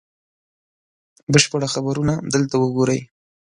بشپړه خپرونه دلته وګورئ